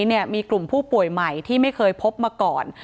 เนี่ยมีกลุ่มผู้ป่วยใหม่ที่ไม่เคยพบมาก่อน